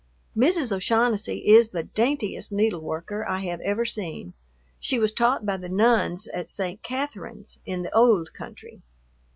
Mrs. O'Shaughnessy is the daintiest needleworker I have ever seen; she was taught by the nuns at St. Catherine's in the "ould country."